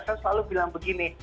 saya selalu bilang begini